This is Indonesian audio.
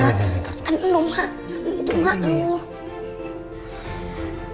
kan lu itu makhluk